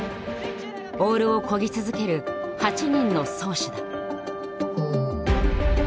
オールを漕ぎ続ける８人の「漕手」だ。